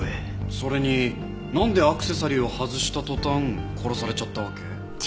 それになんでアクセサリーを外した途端殺されちゃったわけ？